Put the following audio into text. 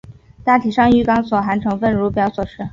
大体上玉钢所含成分如表所示。